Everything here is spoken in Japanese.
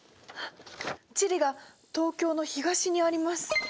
チリが東京の東にあります！